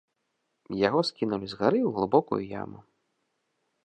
Яго скінулі з гары ў глыбокую яму.